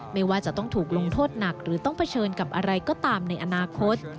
ไม่ว่าจะต้องถูกลงโทษหนักหรือต้องเผชิญกับอะไรก็ตามในอนาคต